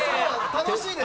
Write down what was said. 楽しいです。